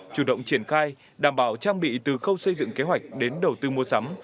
chủ động triển khai đảm bảo trang bị từ khâu xây dựng kế hoạch đến đầu tư mua sắm